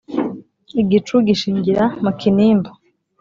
igicu gishingira mu kinimba